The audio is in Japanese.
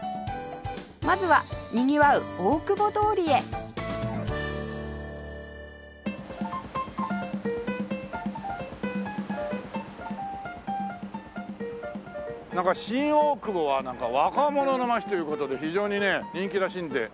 まずはにぎわう大久保通りへなんか新大久保は若者の街という事で非常にね人気らしいんで。